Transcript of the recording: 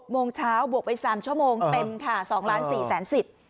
โมงเช้าบวกไป๓ชั่วโมงเต็มค่ะ๒ล้าน๔แสนสิทธิ์